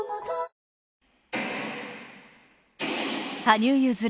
羽生結弦